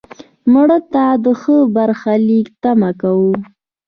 مړه ته د ښه برخلیک تمه کوو